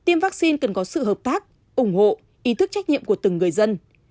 tiêm vaccine cần có sự hợp tác ủng hộ ý thức trách nhiệm của từng người dân